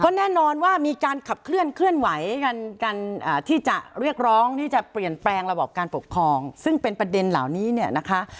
แน่นอนว่ามีการขับเคลื่อนไหวกันที่จะเรียกร้องที่จะเปลี่ยนแปลงระบบการปกครองซึ่งเป็นประเด็นเหล่านี้เนี่ยนะคะ